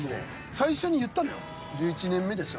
最初に言ったのよ「１１年目ですよ